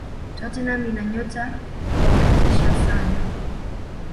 tottenham ina nyota wa kutisha sana